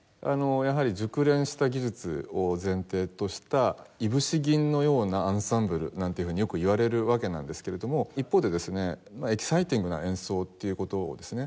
やはり熟練した技術を前提とした「いぶし銀のようなアンサンブル」なんていうふうによく言われるわけなんですけれども一方でですねエキサイティングな演奏っていう事をですね